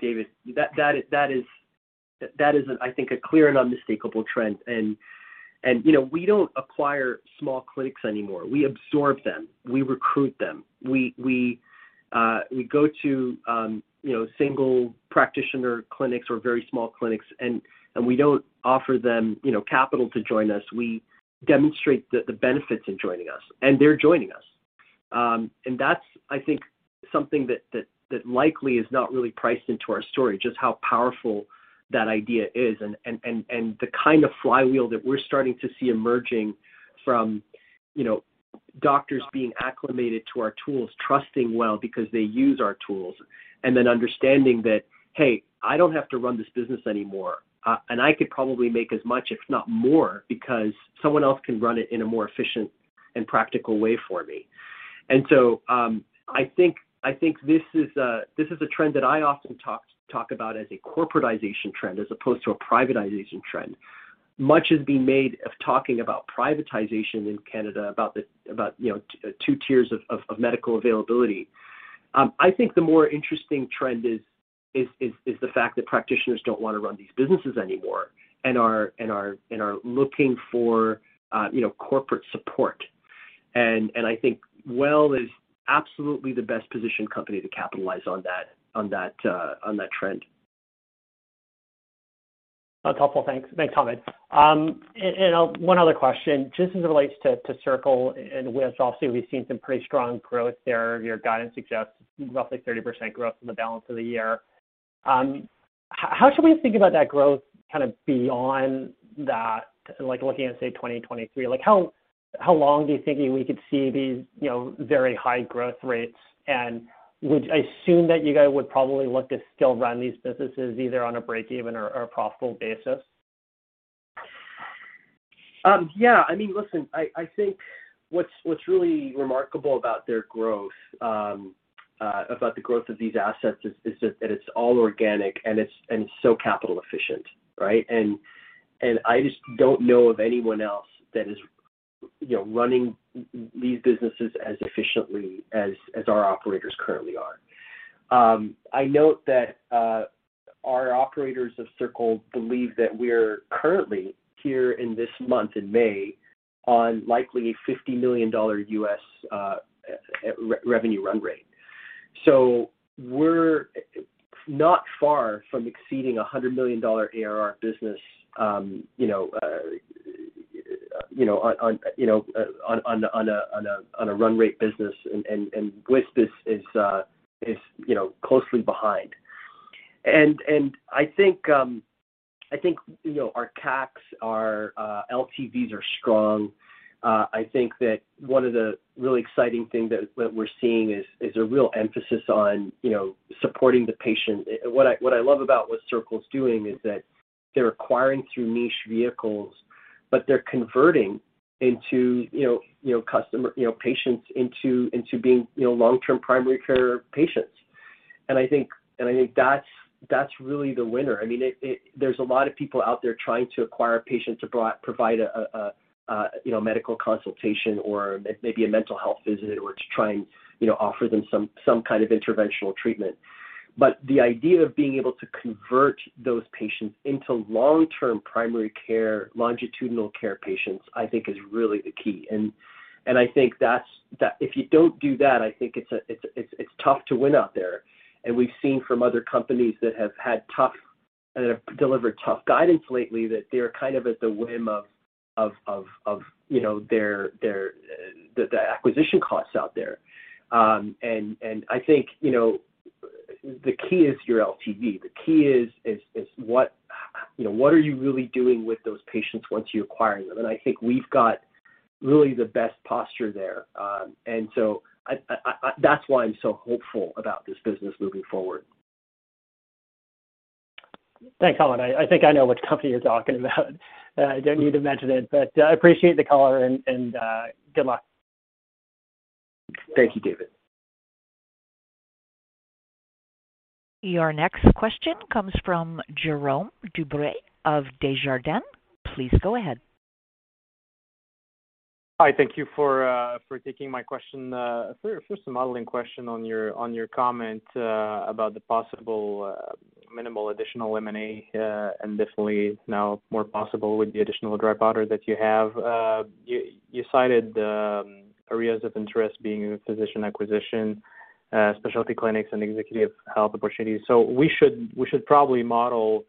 David. That is, I think, a clear and unmistakable trend. You know, we don't acquire small clinics anymore. We absorb them. We recruit them. We go to, you know, single practitioner clinics or very small clinics, and we don't offer them, you know, capital to join us. We demonstrate the benefits in joining us, and they're joining us. That's, I think, something that likely is not really priced into our story, just how powerful that idea is and the kind of flywheel that we're starting to see emerging from, you know, doctors being acclimated to our tools, trusting WELL because they use our tools, and then understanding that, "Hey, I don't have to run this business anymore. I could probably make as much, if not more, because someone else can run it in a more efficient and practical way for me." I think this is a trend that I often talk about as a corporatization trend as opposed to a privatization trend. Much has been made of talking about privatization in Canada, about the, about, you know, two tiers of medical availability. I think the more interesting trend is the fact that practitioners don't wanna run these businesses anymore and are looking for, you know, corporate support. I think WELL is absolutely the best positioned company to capitalize on that trend. That's helpful. Thanks. Thanks, Hamed. One other question. Just as it relates to Circle and with also we've seen some pretty strong growth there. Your guidance suggests roughly 30% growth in the balance of the year. How should we think about that growth kind of beyond that, like looking at say 2023? Like, how long do you think we could see these, you know, very high growth rates? Would I assume that you guys would probably look to still run these businesses either on a break even or a profitable basis? Yeah. I mean, listen, I think what's really remarkable about the growth of these assets is that it's all organic, and it's so capital efficient, right? I just don't know of anyone else that is, you know, running these businesses as efficiently as our operators currently are. I note that our operators of Circle believe that we're currently here in this month, in May, on likely a $50 million revenue run rate. We're not far from exceeding a $100 million ARR business, you know, on a run rate business and Wisp is, you know, closely behind. I think, you know, our CACs, our LTVs are strong. I think that one of the really exciting thing that we're seeing is a real emphasis on, you know, supporting the patient. What I love about what Circle's doing is that they're acquiring through niche vehicles. But they're converting into, you know, you know, customer, you know, patients into being, you know, long-term primary care patients. I think that's really the winner. I mean, there's a lot of people out there trying to acquire patients to provide a, you know, medical consultation or maybe a mental health visit or to try and, you know, offer them some kind of interventional treatment. The idea of being able to convert those patients into long-term primary care, longitudinal care patients, I think is really the key. I think that if you don't do that, I think it's tough to win out there. We've seen from other companies that have delivered tough guidance lately, that they're kind of at the whim of, you know, their acquisition costs out there. I think, you know, the key is your LTV. The key is what, you know, what are you really doing with those patients once you acquire them? I think we've got really the best posture there. That's why I'm so hopeful about this business moving forward. Thanks, Hamed. I think I know which company you're talking about. Don't need to mention it, but I appreciate the color and good luck. Thank you, David. Your next question comes from Jérome Dubreuil of Desjardins. Please go ahead. Hi, thank you for taking my question. First, a modeling question on your comment about the possible minimal additional M&A and definitely now more possible with the additional dry powder that you have. You cited areas of interest being in physician acquisition, specialty clinics, and executive health opportunities. We should probably model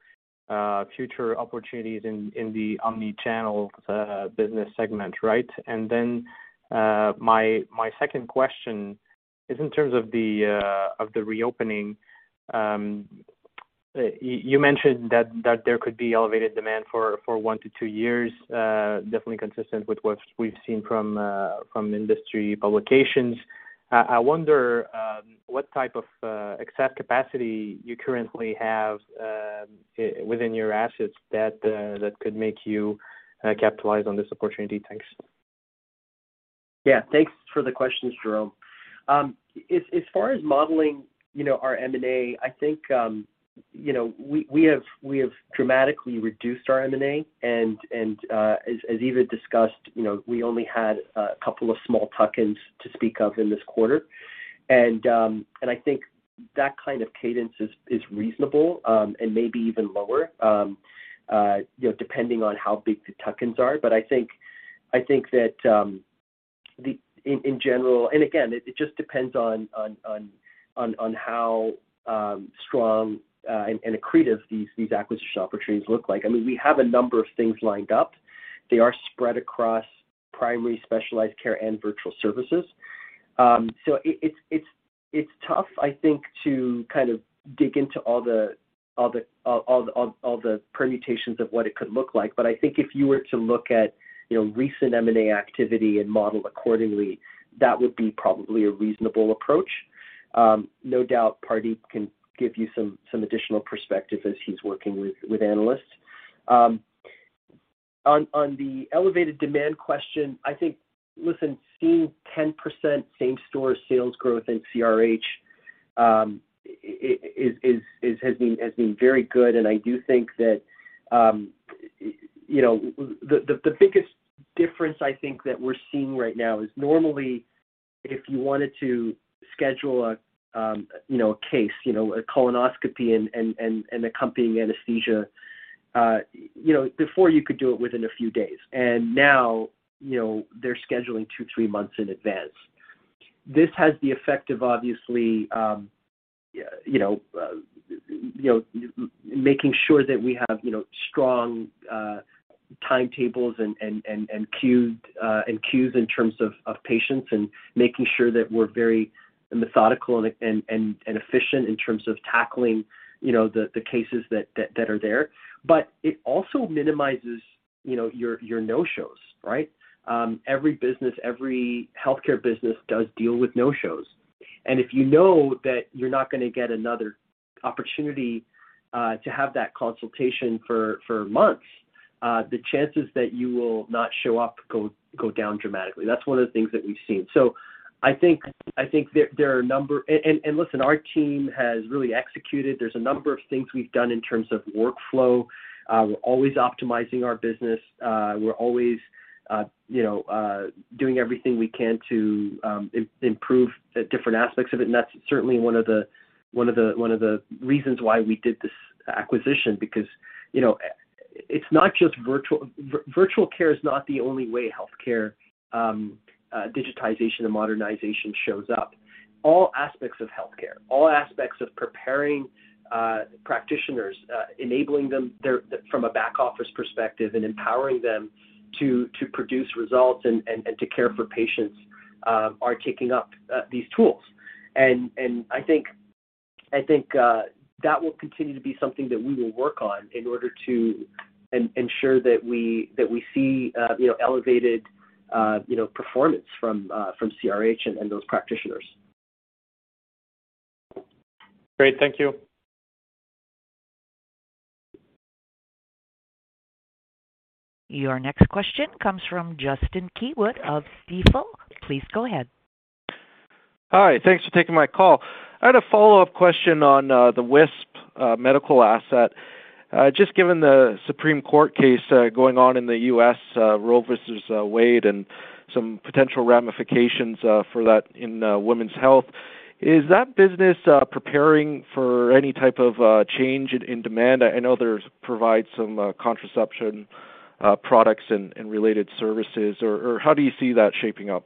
future opportunities in the Omni-Channel business segment, right? Then my second question is in terms of the reopening. You mentioned that there could be elevated demand for 1-2 years, definitely consistent with what we've seen from industry publications. I wonder what type of excess capacity you currently have within your assets that could make you capitalize on this opportunity. Thanks. Yeah, thanks for the questions, Jérome. As far as modeling, you know, our M&A, I think, you know, we have dramatically reduced our M&A. As Eva discussed, you know, we only had a couple of small tuck-ins to speak of in this quarter. I think that kind of cadence is reasonable, and maybe even lower, you know, depending on how big the tuck-ins are. But I think that in general. Again, it just depends on how strong and accretive these acquisition opportunities look like. I mean, we have a number of things lined up. They are spread across primary specialized care and virtual services. It's tough, I think, to kind of dig into all the permutations of what it could look like. I think if you were to look at, you know, recent M&A activity and model accordingly, that would be probably a reasonable approach. No doubt Pardeep can give you some additional perspective as he's working with analysts. On the elevated demand question, I think. Listen, seeing 10% same-store sales growth in CRH has been very good. I do think that the biggest difference I think that we're seeing right now is normally if you wanted to schedule a case, a colonoscopy and accompanying anesthesia, before you could do it within a few days, and now they're scheduling 2-3 months in advance. This has the effect of obviously making sure that we have strong timetables and queues in terms of patients and making sure that we're very methodical and efficient in terms of tackling the cases that are there. But it also minimizes your no-shows, right? Every business, every healthcare business does deal with no-shows. If you know that you're not gonna get another opportunity to have that consultation for months, the chances that you will not show up go down dramatically. That's one of the things that we've seen. I think there are a number. Listen, our team has really executed. There's a number of things we've done in terms of workflow. We're always optimizing our business. We're always you know doing everything we can to improve different aspects of it. That's certainly one of the reasons why we did this acquisition, because you know it's not just virtual. Virtual care is not the only way healthcare digitization and modernization shows up. All aspects of healthcare, all aspects of preparing practitioners, enabling them there, from a back office perspective and empowering them to produce results and to care for patients, are taking up these tools. I think that will continue to be something that we will work on in order to ensure that we see, you know, elevated, you know, performance from CRH and those practitioners. Great. Thank you. Your next question comes from Justin Keywood of Stifel GMP. Please go ahead. Hi. Thanks for taking my call. I had a follow-up question on the Wisp medical asset. Just given the Supreme Court case going on in the U.S., Roe versus Wade, and some potential ramifications for that in women's health. Is that business preparing for any type of change in demand? I know others provide some contraception products and related services or how do you see that shaping up?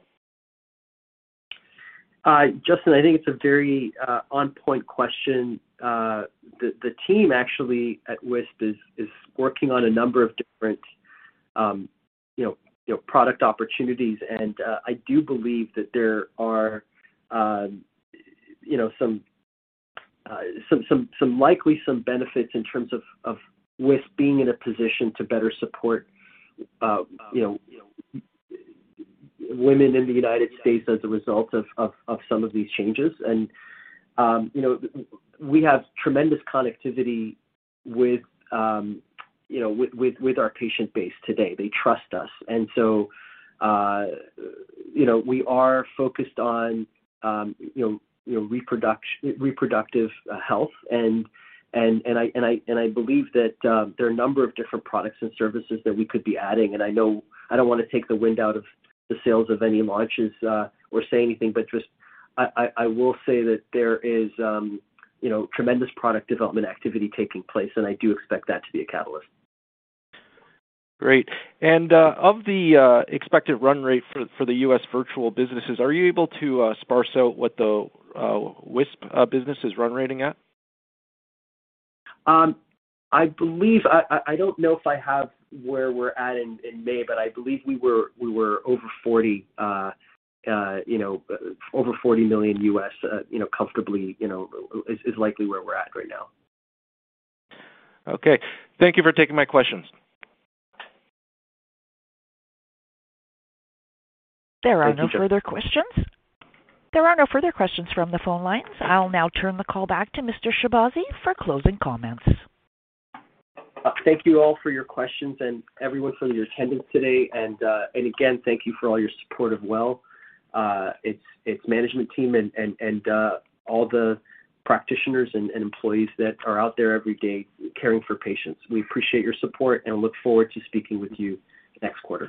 Justin, I think it's a very on point question. The team actually at Wisp is working on a number of different you know product opportunities. I do believe that there are you know some likely benefits in terms of Wisp being in a position to better support you know women in the United States as a result of some of these changes. You know, we have tremendous connectivity with you know with our patient base today. They trust us. You know, we are focused on you know reproductive health. I believe that there are a number of different products and services that we could be adding, and I know I don't wanna take the wind out of the sales of any launches or say anything, but just I will say that there is, you know, tremendous product development activity taking place, and I do expect that to be a catalyst. Great. Of the expected run rate for the US virtual businesses, are you able to parse out what the Wisp business run rate is at? I believe I don't know if I have where we're at in May, but I believe we were over 40, you know, over $40 million, you know, comfortably, you know, is likely where we're at right now. Okay. Thank you for taking my questions. There are no further questions. There are no further questions from the phone lines. I'll now turn the call back to Mr. Shahbazi for closing comments. Thank you all for your questions and everyone for your attendance today. Again, thank you for all your support of WELL, its management team and all the practitioners and employees that are out there every day caring for patients. We appreciate your support and look forward to speaking with you next quarter.